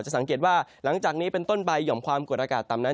สังเกตว่าหลังจากนี้เป็นต้นใบหย่อมความกดอากาศต่ำนั้น